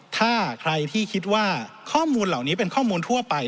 ถ้าใครที่คิดว่าข้อมูลเหล่านี้เป็นข้อมูลทั่วไป